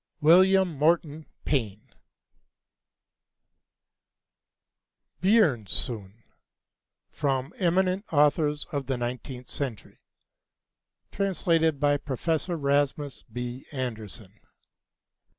[Illustration: Signature] BJÖRNSON From 'Eminent Authors of the Nineteenth Century': Translated by Professor Rasmus B. Anderson.